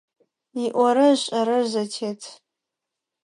ИIорэ ишIэрэ зэтет.